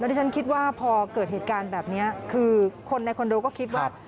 ที่ฉันคิดว่าพอเกิดเหตุการณ์แบบนี้คือคนในคอนโดก็คิดว่า